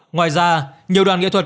ngoài ra nhiều đoàn nghệ thuật